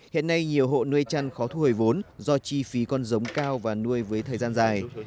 hiện nay nhiều hộ nuôi chăn khó thu hồi vốn do chi phí con giống cao và nuôi với thời gian dài